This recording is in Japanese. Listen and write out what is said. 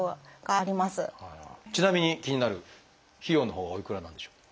ちなみに気になる費用のほうはおいくらなんでしょう？